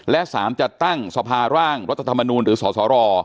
และ๓จะตั้งสภาร่างรัฐธรรมนูลหรือสสร